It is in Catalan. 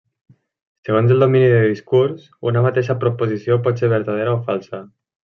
Segons el domini de discurs, una mateixa proposició pot ser vertadera o falsa.